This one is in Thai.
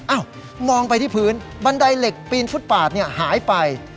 อ้าวมองไปพื้นบันไดเหล็กปีนฟุดปาดหายไป